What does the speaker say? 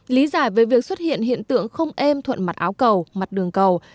lý giải về việc xuất hiện hiện tượng không êm thuận mặt áo cầu mặt đường cầu